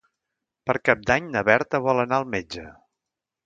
Per Cap d'Any na Berta vol anar al metge.